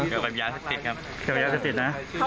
เกี่ยวกับยาศติศนะ